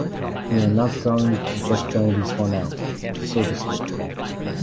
We're not going to just bang this one out, so to speak.